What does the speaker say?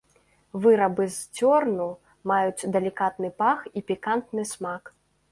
Вырабы з цёрну маюць далікатны пах і пікантны смак.